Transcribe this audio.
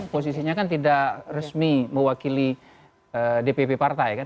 posisinya kan tidak resmi mewakili dpp partai kan